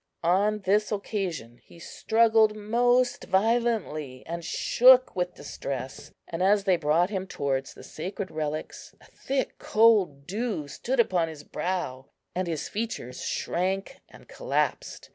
On this occasion, he struggled most violently, and shook with distress; and, as they brought him towards the sacred relics, a thick, cold dew stood upon his brow, and his features shrank and collapsed.